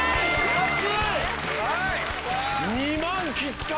安い！